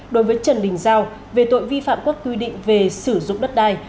đối với trần bình giao về tội vi phạm quốc quy định về sử dụng đất đai